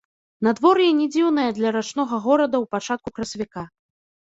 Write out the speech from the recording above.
Надвор'е не дзіўнае для рачнога горада ў пачатку красавіка.